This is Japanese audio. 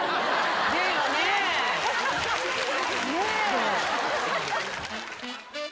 ねえ。